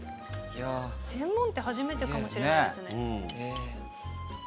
全問って初めてかもしれないですね。